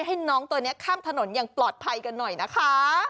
ให้น้องตัวนี้ข้ามถนนอย่างปลอดภัยกันหน่อยนะคะ